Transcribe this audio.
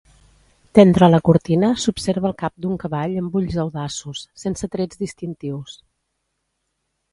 D'entre la cortina s'observa el cap d'un cavall amb ulls audaços, sense trets distintius.